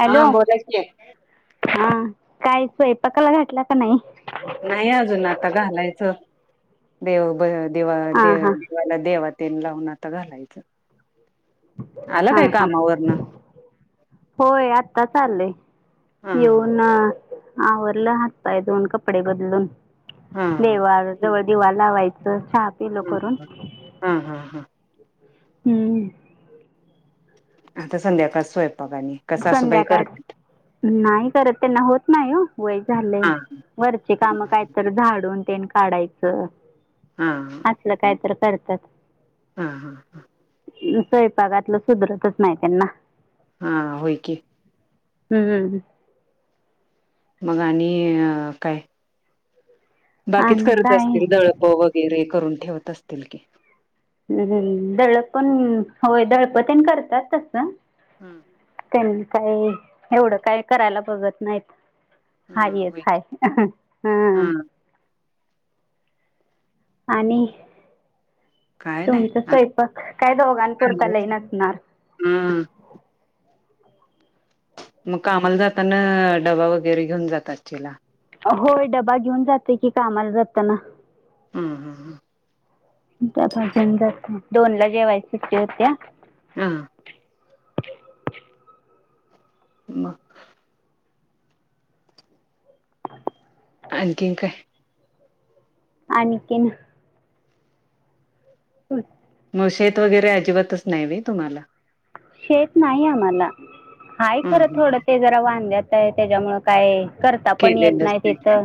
Hello हा बोला की हा काय स्वयंपाकाला घटला का नाही नाही अजून आता घालायचं देव बर देवा हा दे हा देवाला देवात लावून आता घालायचं आला हा काय हा कामावरन होय आता चालंय हा हा येऊन आवरलं हात पाय धुऊन कपडे बदलून हा देवा जवळ दिवा लावायचं चहा पिल हा करून हा हा हा हम्म आता संध्याकाळ स्वयं संध्याकाळ नाही करत त्यांना होत नाही, वय झालंय हा वरची कामं काय तर झाडून तेन काढायचं हा असलं काय तर करतात. हा हा हा [unintelligible] स्वयंपागातलं सुधरतच नाही त्यांना हा होय की [unintelligible] मग आणि काय बाकीच आणि करत काय असतील दळप वगैरे करून ठेवत असतील की हं दळपण होय दळपतेण करतात तसं. हम्म! त्यांनी काही एवढं काय करायला बघत नाहीत हा हारीए होय की. हा [unintelligible] आणि काय नाही तुमच आता स्वयंपाक काय दोघां पुुरता लई नसणार हम्म मग कामाला जाताना डबा वगैरे घेऊन जातचेला होय डबा घेऊन जाते की कामाला जातना. [unintelligible] त्याजून दोन ला जेवायच सुट्टी होत्या [inaudible] हा [unintelligible] मग आणखीन काय आणखीन [inaudible] मग शेत वगैरे अजिबातच नाही व्हय तुम्हाला? शेत नाही आम्हाला. हाय हम्म खरं हम्म थोडं ते जरा वांध्यात आहे त्याच्यामुं काय करता पण येत केलेलंच नाही तिथ! काय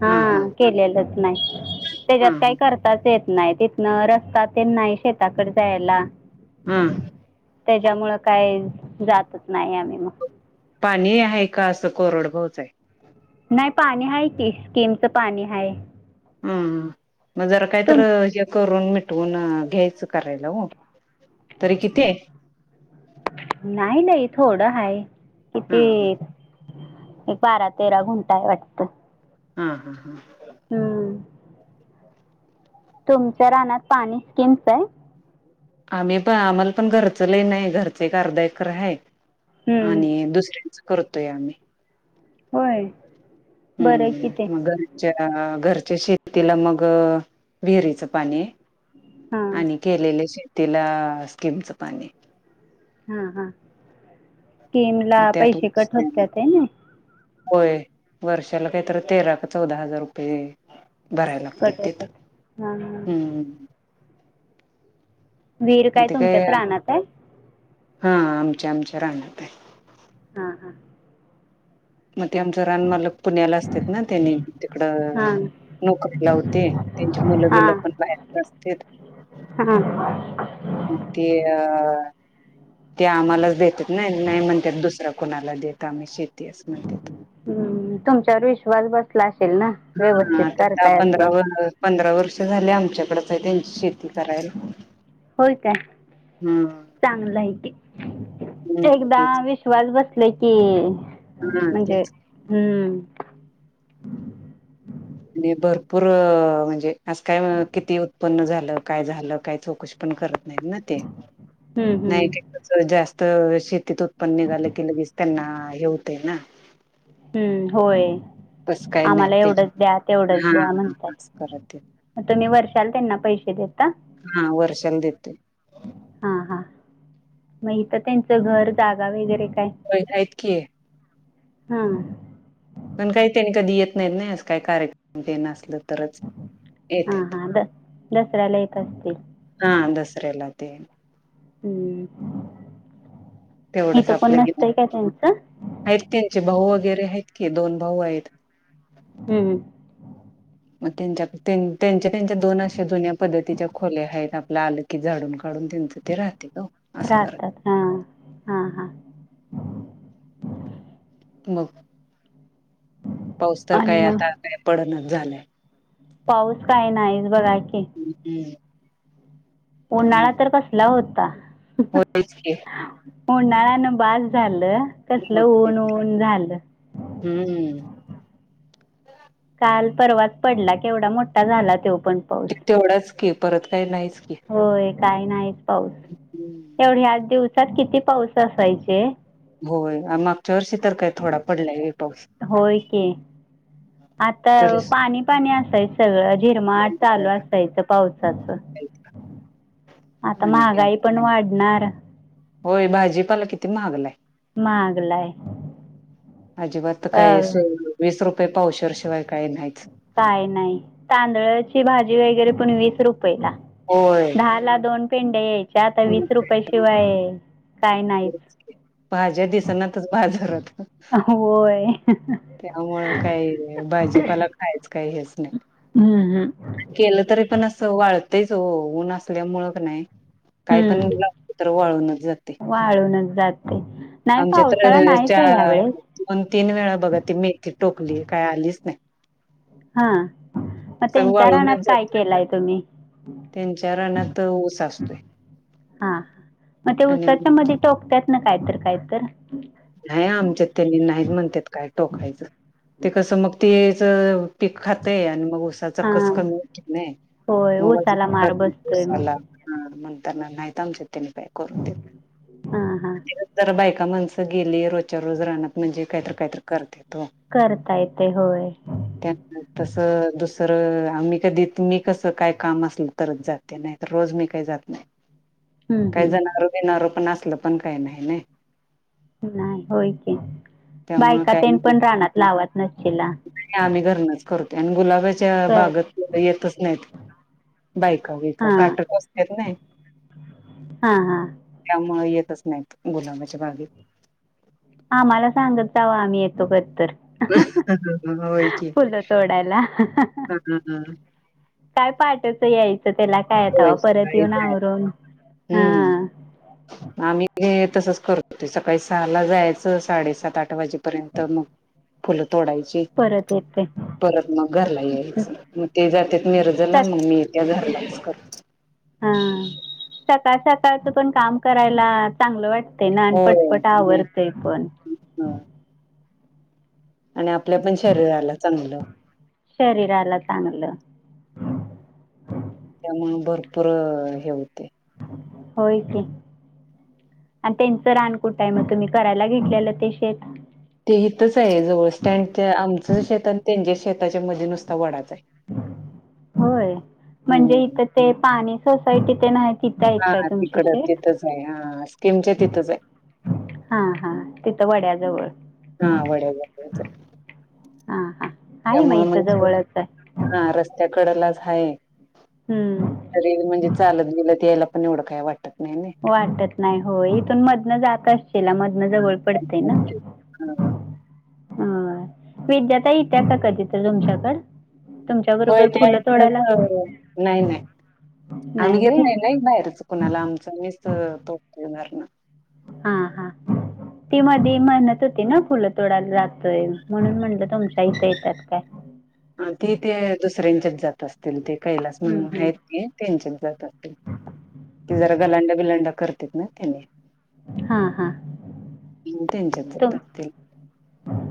हा केलेलंच नाही हा त्याच्यात हा काही करताच येत नाही तिथन रस्ता ते नाही शेताकडे जायला, हम्म त्याच्यामुळं काही जातच नाही आम्ही मग पाणी आहे का असं कोरड भाऊच आहे नाही पाणी हय कि स्कीमचं पाणी हय हा मग जर काहीत हे करून मिटवून घ्यायचं करायला हो तरी किती आहे नाही नाही थोडं हाय हा किती एक बारा तेरा गुंठा आहे वाटत. [unintelligible] [unintelligible] तुमच्या राना पाणी स्कीमच आहे आम्ही पण आम्हाला पण घरच लयं नाही घरचे एक आरदा एकर हाय हम्म. आणि दुसऱ्याच करतोय आम्ही. होय बरं आहे की ते हम्म मग घरच्या घर शेतीला मग विहिरीच पाणी हां आणि केलेले श तिला स्किमचं पाणी हा हा स्कीम ला मग त्यातून पैसे कट होत्यात हेने होय वर्षाला काहीत तेरा का चौदा हजार रुपये भराय लागत्यात कट होतात हां हां तिथं हम् विहीर काय तुमच्याच रानात आहे हा आमच्या आमच्या रानात हाय हा हा मग ते आमच रानमालक पुण्याला असत्यात ना त्यानी तिकडं हां नोकरी लावते त्यांची मुलं बिलं पण बाहेर असत हा म ते अ ते आम्हालाच देतात ना नाही म्हणतात दुसरा कोणाला देत आम्ही शे हम्म तुमच्यावर विश्वास बसलाय. ह आता त्या पंधरा पंधरा वर्ष झाले आमच्याकडं त्यांची शेती करायला. होय काय हम्म चांगलं आहे कि हम्म, एकदा तेच विश्वास बसले की हा म्हणजे तेच हम्म [inaudible] आणि भरपूर म्हणजे आज काय किती उत्पन्न झालं काय झालं काय चौकशी पण करत नाहीत ना ते हं, हं, नाही [inaudible] जास्त तर शेतीत उत्पन्न निघालं की लगेच त्यांना हे होतेय ना हम्म होय तसं काय नाही आम्हाला ते एवढंच द्या तेवढंच हा द्या हा म्हणतात असं करत ते. म तुम्ही वर्षाला त्यांना पैसे देता हा वर्षाला देतोय. हा हा मग हित त्यांच घर जागा वगैरे काय होय हायत कि हां पण काही त्यांनी कधी येत नाहीत असं काही कार्यक्रम तेन असल तरच हां येत्यात हां द दसऱ्याला येत असतील. हा दसर्याला तेन हम्म तेवढंच आपलं गि आहेत त्यांचे भाऊ वगैरे आहेत दोन भाऊ आहेत. हम्म हम मग त्यां त्यांच्या त्यांच्या दोन अशा जुन्या पद्धतीच्या खोल्या आहेत आपल्या आल की झाडून काढून त्यांनच ते राहत्यात ओ अस कर राहतात हां हां हां मग पाऊस तर आणि काही मग आता काय पडणाच झालाय पाऊस काय नाहीच बघा की हम्म उन्हाळा त्यामुळे तर कसला होता होयच की उन्हाळ्या न बास झालं कसल मग काय ऊन ते. ऊन झालं हम्म काल परवाच पडला केवढा मोठा झाला तो पण पाऊस. ते तेवढाच की परत काही नाहीच की होय काय नाहीच पाऊस हम्म. एवढ्या ह्या दिवसात किती पाऊस असायचे. होय मागच्या वर्षी तर काही थोडा पडलाय होय पाऊस होय की आता तरी पाणी पाणी असायच सगळं जिरमाट सुद्धा. चालू असायचं पावसाच. आता आणि हे महागाई आता पण काय वाढणार. होय भाजीपाला किती महागलाय. मागलाय अजिबात तर काय वीस रुपये पावशेर शिवाय काही नाहीच. काय नाही तांदळाची भाजी वगैरे पण वीस रुप येला होय दहाला दोन पेंडेया यायच्या आता मग वीस काय रुपय शिवाय काय नाहीच तर. भाज्या दिसनातच बाजारात [inaudible] होय. त्यामुळं काही भाजीपाला खायचं काही हेच नाही. हम्म हम्म. [inaudible] केलं तरी पण असं वाळतयच हो ऊन असल्यामुळ क नाय काय पण हम्म लागते तर वाळूनच जातय. वाळूनच जाते नाही आमच्या पावसाळा तर नाहीच हो चा ह्यावेळेस दोन, तीन वेळा बघा ती मेथी टोकली काय आलीच नाही. [inaudible] हा. मग सगळं त्यांच्या रानात वाळूनच काय जातय केलाय तुम्ही? त्यांच्या [inaudible] रानात ऊस असतोय हा मग ते आणि उसाच्या मध्ये टोकत्यात ना कायतर, कायतर. नाही आमच्यात त्यांनी नाहीच म्हणत्यात काय टोकायचं ते कसं मग तेज पीक खातय आणि मग उसाचा कस हां कमी होतक नाय. होय मोबा उसाला मार प्रत्येक बसतोय दिवसाला मग ह म्हण म्हणताना नाहित आमच्या त्यांनी काय करून देत. हां हां केल तर बायका माणसं तर गेले रोजच्या रोज रानात म्हणजे काहीतरी, काहीतरी करत्यात. करता येते होय [inaudible] त्यांना तस दुसर तर आम्ही कधी तुमी कस काय काम असल तरच जाते नाही तर रोज मी काही जात नाही. हम्म काही हम्म जनावर बिणावर पण असल पण काय नाही नई. नाही होय की बायकातेन पण राहनात लागतात. नाही आम्ही घरनच करतोय आणि गुलाबाच्या कर बागत फुल येतच नाहीत. बायका बियका हां काट टोचत्यात नाय [inaudible] हां हां त्यामुळ येत तच नाहीत गुलाबाच्या बागेत. आम्हाला सांगत जावा आम्ही येतो कधी तर. होय की [inaudible] फुलं तोडायला. [inaudible] हा हा हा. काय पहाटेचं यायचं. त्याला काय तवा होय परत सकाळी येऊन जाय आवरून हा हम्म [inaudible] आम्ही तसच करत होते सकाळी सहाला जायचं साडेसात, आठ वाजेपर्यंत मग फुल तोडायची. परत येते [inaudible] परत मग घरला यायचं मग ते जातात मि रजला सक मग मी येत्या घरला. हा सकाळ-सकाळच पण काम करायला चांगलं वाट ते ना अन होय पटपट म्हणजे आवरतेय पण. ह आणि आपल्या पण शरीराला चांगलं. शरीरला चांगलं [inaudible] त्यामुळ भरपूर हे होतय. होय की. आणि त्यांचं रान कुठं आहे मग तुम्ही करायला घेतलेलं ते शेत. ते इथंच आहे जवळ स्टँडच्या आमचं शेत आणि त्यांच्या शेताच्या मध्ये नुसता वडाच आहे होय, म्हणजे हम्म इथ ते पाणी सोसायटी तेन नाही. तिथं आहेत हा काय हा तुमची तिकड शेत तिथंच आहे हा स्कीमचे तिथंच आहे. हा, हा तिथं वड्याजवळ. हा वड्या हा, हा. तयामुळे म्हजे [inaudible] हा रस्त्याकडेलाच हाय, हम्म मेन म्हणजे चालत बिलत यायला पण एवढं काय वाट वाटत नाही हो इथून मधन जात अशिला मध इथन जवळ पडतय ना. हा होय विद्याताई इत्या का कधी तर तुमच्याकड. होय त्या इथनच नाही नाही. आम्ही घेत नाही नाही बाहेरचं कुणाला, आमचं आम्हीच तोफ देणार ना? हा, हा. ती मधी म्हनत होती ना, फुलं तोडायला जातोय, म्हणून म्हणलं तुमच्या इथं येतात काय? नसतील ते कैलास म्हणून आहेत काय ते त्यांच्यात जातात. ते जरा गलांडा बिलांडा करत्यात ना, त्याने हा, हा. मग त्यांच्यात जात तुम असतील.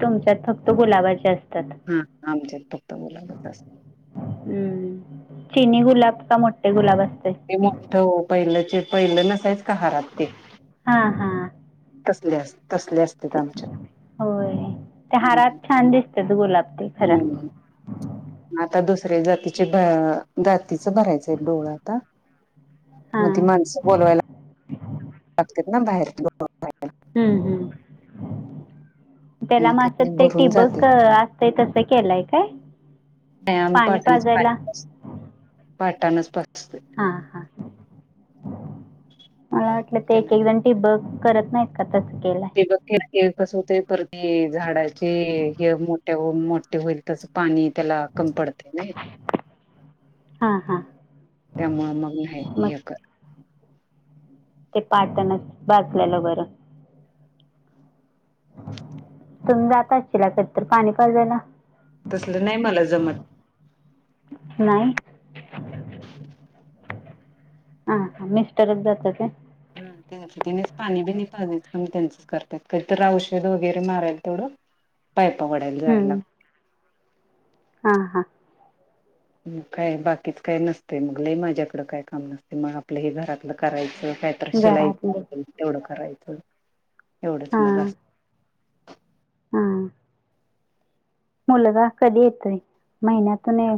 तुमच्यात फक्त गुलाबाचे असते? हा, आमच्यात फक्त मुलागत असत हम्म, चिनी गुलाब का मोठे गुलाब असत? ते मोठं वो पहिलं च पहिलं नसायचं का हारात, ते हा, हा. तसले अस. तसले असतेत आमच्यात. होय, ते हम्म हारात छान दिसत्यात गुलाब. ते खरं हम्म, आता दुसऱ्या जातीचे जात तिचं भरायचंय डोळ आता, हा मग ती माणसं बोलवायला लागत्यात ना बाहेर [unintelligible] हम्म, हम्म. त्याला म असं ते भरून जाते टिबक असतय, तसं केलंय काय? नाही आम्ही पाणी पाटणचं पाजायला पहिल्यापासून, पाटणच पासत हा, हा, मला वाटलं ते त्यांना एक एक जण टीब. करत नाहीत का? तसं. केलंय ते बघ, किरकिर कसं होतय परती झाडाचे येळ मोठ्या होऊन मोठे होईल तसं पाणी त्याला कम पडते नाही? हा हा त्यामुळं, मग नाही मग हे कर. ते पाटणच बाचलेलं बरं. तुम्ही जात असशीला कधीतर पाणी पाजायला? तसलं नाही मला जमत. नाही हा, हा मिस्टरच जातात. हा त्यांच त्यानेच पाणीबीणी पाजायचं आणि त्यांचच करत्यात, कधीतरी औषध वगैरे मारायच तेवढं. पायपा वडायला जायला हम्म लागतं. हा, हा. काय बाकीच काय नसते, मग लय माझ्याकडं काय काम नसते, मग आपलं हे घरातलं करायचं. काहीतरी शिलाई घरातले तेवढं करायचं, एवढंच हा मला असतं. हा. मुलगा कधी येतोय, महिन्यातून ये.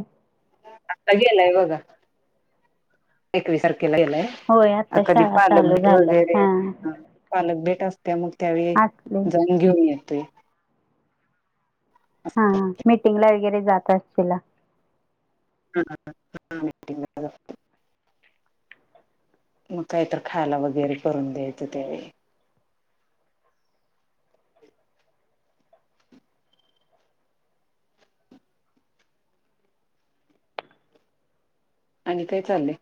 आता गेलाय बघा, एकवीसार खेला गेलाय, होय आता कधी शाळा पालक चालू बीट झाल्यात वगैरे हा पालक बीट. त्या मग, त्यावेळी असले जाऊन घेऊन येतोय. हा, हा, मीटिंगला वगैरे जात असतीला. ह, ह, ह [unintelligible] मग काहीतरी खायला वगैरे करून दयायचं त्यावेळी आणि काय चाललय?